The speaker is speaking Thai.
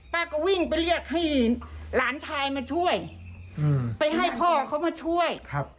ก็วิ่งไปเรียกให้หลานชายมาช่วยไปให้พ่อเขามาช่วย